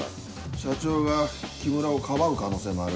社長が木村をかばう可能性もある。